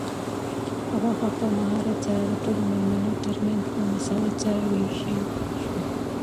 غوښه په مهارت سره د ټولو مېلمنو تر منځ په مساوات سره وویشل شوه.